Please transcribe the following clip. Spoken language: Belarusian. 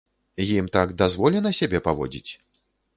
Ім так дазволена сябе паводзіць?